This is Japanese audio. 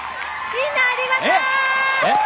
みんなありがとう！えっ！？